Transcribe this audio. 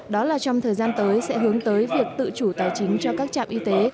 đó là trong thời gian tới sẽ hướng tới việc tự chủ tài chính cho các trạm y tế